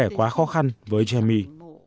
lại có vẻ quá khó khăn với jamie